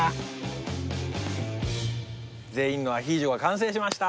全員のアヒージョが完成しました。